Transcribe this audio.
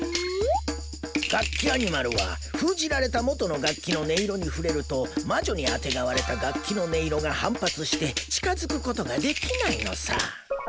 ガッキアニマルは封じられた元の楽器の音色に触れると魔女にあてがわれた楽器の音色が反発して近づく事ができないのさ。